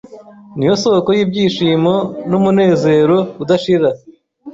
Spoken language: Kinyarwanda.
niyo soko y’ibyishimo n’umunezero udashira.